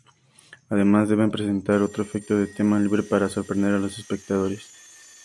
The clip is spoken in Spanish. Además, deben presentar otro efecto de tema libre para sorprender a los espectadores.